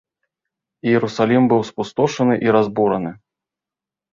Іерусалім быў спустошаны і разбураны.